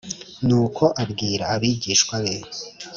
Nuko abwira abigishwa be